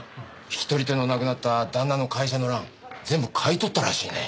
引き取り手のなくなった旦那の会社の蘭全部買い取ったらしいね。